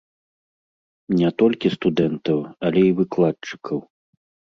Не толькі студэнтаў, але і выкладчыкаў.